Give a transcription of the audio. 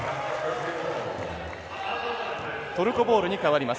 トルコボールにかわります。